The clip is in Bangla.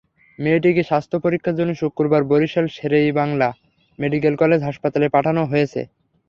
মেয়েটিকে স্বাস্থ্য পরীক্ষার জন্য শুক্রবার বরিশাল শের-ই-বাংলা মেডিকেল কলেজ হাসপাতালে পাঠানো হয়েছে।